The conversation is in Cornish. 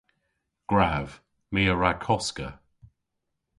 Gwrav. My a wra koska.